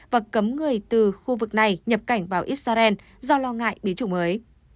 và cấm người từ khu vực này nhập cảnh vào israel do lo ngại biến chủng mới